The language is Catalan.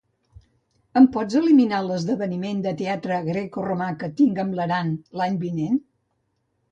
Em pots eliminar l'esdeveniment de teatre grecoromà que tinc amb l'Aran l'any vinent?